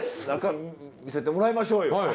中見せてもらいましょうよ。